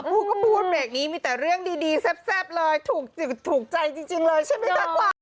พูดเมล็ดนี้มีแต่เรื่องดีแซ่บเลยถูกใจจริงเลยใช่ไหมแพะกว่า